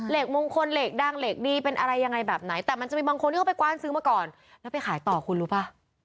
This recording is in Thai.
มงคลเหล็กดังเหล็กดีเป็นอะไรยังไงแบบไหนแต่มันจะมีบางคนที่เขาไปกว้านซื้อมาก่อนแล้วไปขายต่อคุณรู้ป่ะ